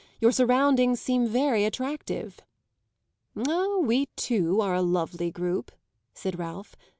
Your surroundings seem very attractive." "Ah, we too are a lovely group!" said Ralph.